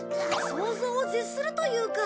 想像を絶するというか。